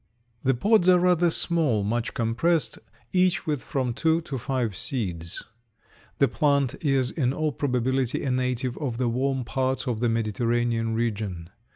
The pods are rather small, much compressed, each with from two to five seeds. The plant is in all probability a native of the warm parts of the Mediterranean region.